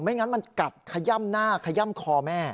งั้นมันกัดขย่ำหน้าขย่ำคอแม่